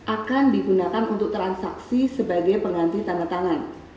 akan digunakan untuk transaksi sebagai pengganti tanda tangan